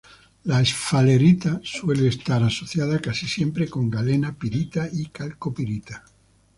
La esfalerita suele estar asociada casi siempre con galena, pirita y calcopirita.